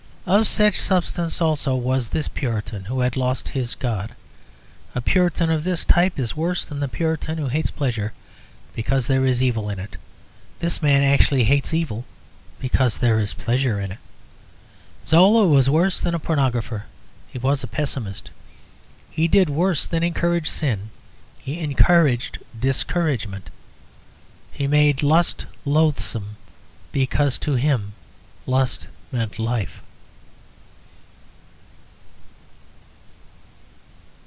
Of such substance also was this Puritan who had lost his God. A Puritan of this type is worse than the Puritan who hates pleasure because there is evil in it. This man actually hates evil because there is pleasure in it. Zola was worse than a pornographer, he was a pessimist. He did worse than encourage sin: he encouraged discouragement. He made lust loathsome because to him lust meant life.